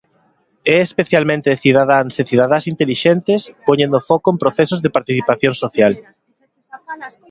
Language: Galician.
E especialmente de cidadáns e cidadás intelixentes, poñendo foco en procesos de participación social.